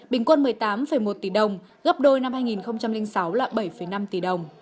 bình quân một mươi tám một tỷ đồng gấp đôi năm hai nghìn sáu là bảy năm tỷ đồng